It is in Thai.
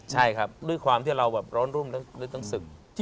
ใช่ครับด้วยความที่เราแบบร้อนรุ่มลึกทั้งศึก